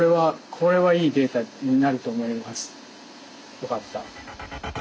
良かった。